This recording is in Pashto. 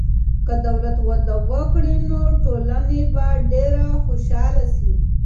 که دولت وده وکړي، نو ټولني به ډېره خوشحاله سي.